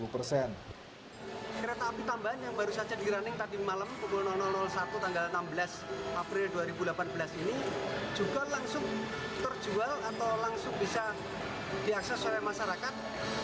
pertanyaan yang kita terima pada hari ini juga langsung terjual atau langsung bisa diakses oleh masyarakat